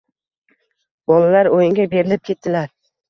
Bolalar o'yinga berilib ketdilar.